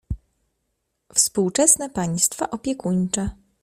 Współczesne państwa opiekuńcze.